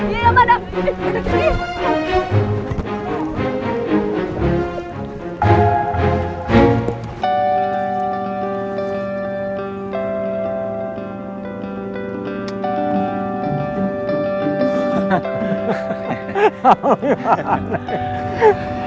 iya ya pak dam ini ini ini